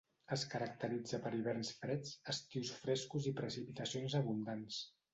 Es caracteritza per hiverns freds, estius frescos i precipitacions abundants.